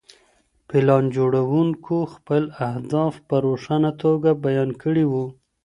پلان جوړوونکو خپل اهداف په روښانه توګه بیان کړي وو.